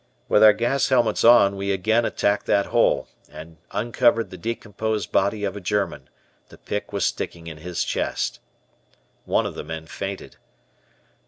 With our gas helmets on we again attacked that hole and uncovered the decomposed body of a German; the pick was sticking in his chest. One of the men fainted.